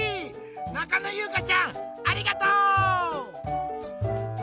なかのゆうかちゃんありがとう！